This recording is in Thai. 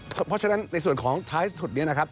เพราะฉะนั้นในส่วนของท้ายสุดนี้นะครับ